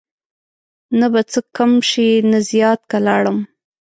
نه به څه کم شي نه زیات که لاړم